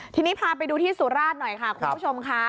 ทีนี้พาไปดูที่สุราชหน่อยค่ะคุณผู้ชมค่ะ